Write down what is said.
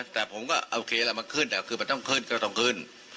แต่ผมก็โอเคล่ะมันขึ้นคือมันต้องขึ้นก็ต้องขึ้น